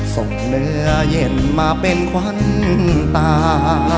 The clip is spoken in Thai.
ส่งเหนือเย็นมาเป็นควันตา